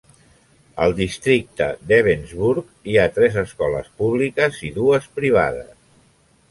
Al districte d'Ebensburg hi ha tres escoles públiques i dues privades